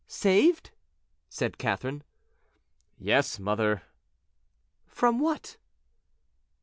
"Saved?" said Catherine. "Yes, mother." "From what?"